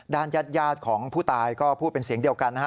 ญาติของผู้ตายก็พูดเป็นเสียงเดียวกันนะฮะ